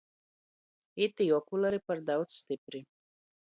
Itī okuleri par daudz stypri.